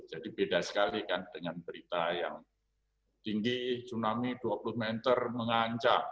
jadi beda sekali kan dengan berita yang tinggi tsunami dua puluh meter mengancam